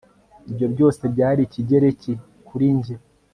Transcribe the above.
ibyo byose byari ikigereki kuri njye